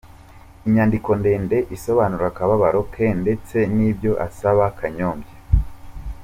com inyandiko ndende isobanura akababaro ke ndetse n’ibyo asaba Kanyombya.